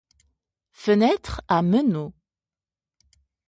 Fenêtres à meneaux.